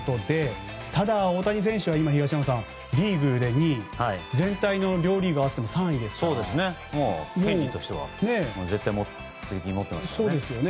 ただ大谷選手は今、東山さんリーグで２位全体の両リーグ合わせても３位ですから。権利としては絶対に持っていますよね。